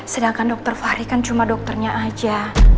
sedangkan dokter fahri kan cuma dokternya aja